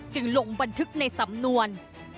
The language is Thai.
ลงบันทึกในสำนวน